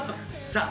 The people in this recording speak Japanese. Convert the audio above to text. さあ